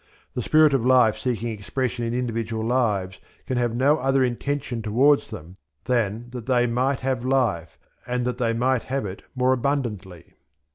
The Spirit of Life seeking expression in individual lives can have no other intention towards them than "that they might have life, and that they might have it more abundantly."